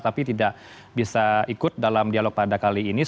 tapi tidak bisa ikut dalam dialog pada kali ini